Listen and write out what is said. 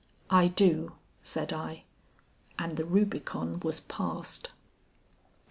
"I do," said I. And the Rubicon was passed.